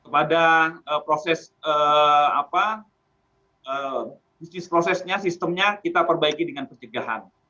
pada proses bisnis prosesnya sistemnya kita perbaiki dengan pencegahan